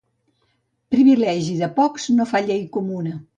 Privilegi de pocs no fa llei comuna.